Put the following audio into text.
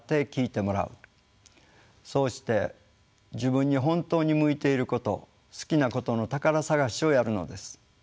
そうして自分に本当に向いていること好きなことの宝探しをやるのです。